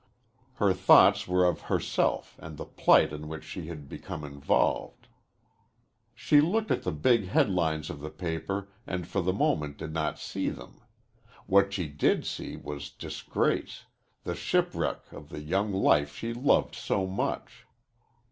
Her thoughts were of herself and the plight in which she had become involved. She looked at the big headlines of the paper and for the moment did not see them. What she did see was disgrace, the shipwreck of the young life she loved so much.